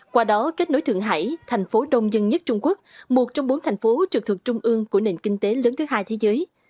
qua đó kết nối thượng hải thành phố đông dân nhất trung quốc một trong bốn thành phố trực thuộc trung ương của nền kinh tế lớn thứ hai thế giới